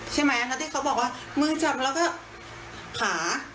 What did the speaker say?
ใช่ไหมแล้วที่เขาบอกว่ามือจับแล้วก็ขา